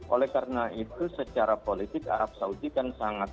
oleh karena itu secara politik arab saudi kan sangat